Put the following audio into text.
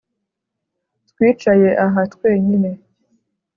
twicaye aha twenyine